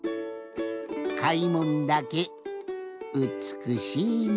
かいもんだけうつくしいの。